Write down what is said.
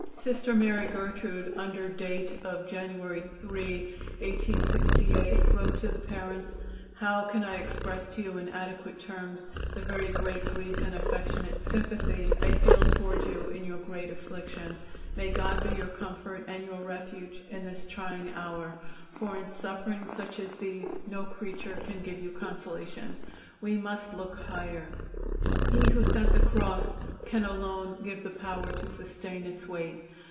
Sister Mary Gertrude, under date of January 3, 1868, wrote to the parents: "How can I express to you in adequate terms the very great grief and affectionate sympathy I feel toward you in your great affliction. May God be your comfort and your refuge in this trying hour, for in sufferings such as these no creature can give you consolation. We must look higher. He who sent the cross can alone give the power to sustain its weight.